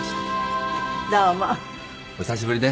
お久しぶりです。